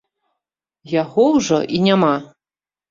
Яго ўжо і няма!